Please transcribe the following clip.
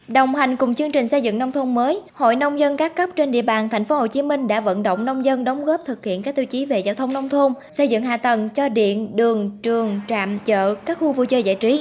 đồng hành cùng chương trình xây dựng nông thôn mới hội nông dân các cấp trên địa bàn tp hcm đã vận động nông dân đóng góp thực hiện các tiêu chí về giao thông nông thôn xây dựng hạ tầng cho điện đường trường trạm chợ các khu vui chơi giải trí